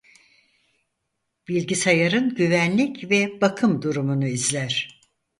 Bilgisayarın güvenlik ve bakım durumunu izler.